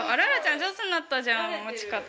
上手になったじゃん持ち方。